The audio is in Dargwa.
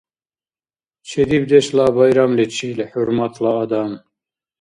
Чедибдешла байрамличил, хӀурматла адам!